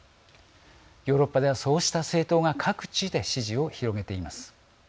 ヨーロッパでは、そうした政党が各地で支持を広げています。